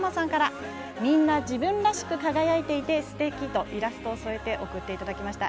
みんな自分らしく輝いていてステキとイラスト添えていただきました。